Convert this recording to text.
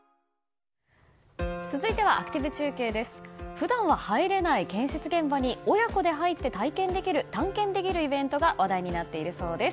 普段は入れない建設現場に親子で入って探検できるイベントが話題になっているそうです。